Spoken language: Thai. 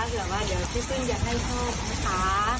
เผื่อว่าพี่ฝนจะให้โชคนะคะ